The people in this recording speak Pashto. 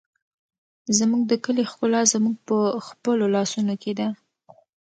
زموږ د کلي ښکلا زموږ په خپلو لاسونو کې ده.